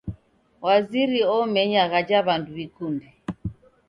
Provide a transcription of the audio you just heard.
Waziri omenya ghaja w'andu w'ikunde.